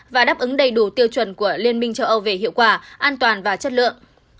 và đáp ứng đầy đủ tiêu chuẩn của liên minh châu âu về hiệu quả an toàn và chất lượng